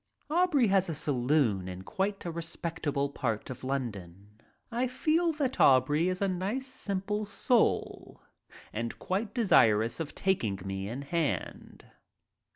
Aubrey has a saloon in quite a respec table part of London. I feel that Aubrey is a nice simple soul and quite desirous of taking me in hand.